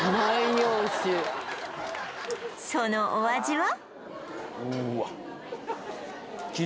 そのお味は？